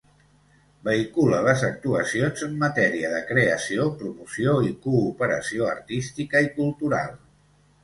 Vehicula les actuacions en matèria de creació, promoció i cooperació artística i cultural.